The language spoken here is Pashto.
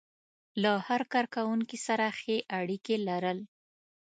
له هر کار کوونکي سره ښې اړيکې لرل.